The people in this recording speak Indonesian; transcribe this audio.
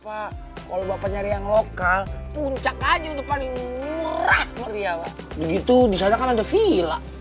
pak kalau bapak nyari yang lokal puncak aja depan ini murah meriah begitu bisa ada villa